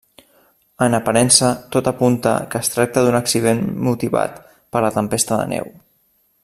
En aparença tot apunta que es tracta d'un accident motivat per la tempesta de neu.